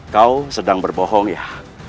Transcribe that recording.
kau sedang berbohong ya